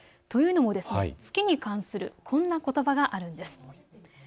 というのも月に関するこんなことばがあるんです。